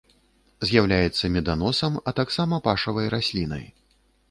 З'яўляецца меданосам, а таксама пашавай раслінай.